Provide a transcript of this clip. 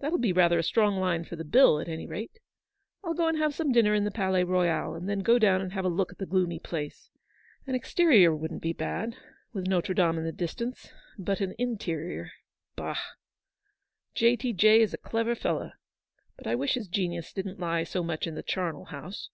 That'll be rather a strong line for the bill, at any rate. I'll go and have some dinner in the Palais Royal, and then go down and have a look at the gloomy place. An exterior wouldn't 126 Eleanor's victory. be bad, with Notre Dame in the distance, bnt an interior — Bah ! J. T. J. is a clever fellow, but I wish his genius didn't lie so much in the charnel house."